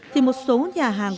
thì một số nhà hàng